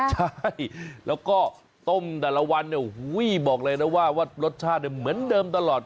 ใช่แล้วก็ต้มแต่ละวันเนี่ยบอกเลยนะว่ารสชาติเหมือนเดิมตลอด